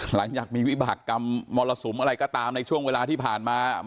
หลังจากมีวิบากรรมมรสุมอะไรก็ตามในช่วงเวลาที่ผ่านมา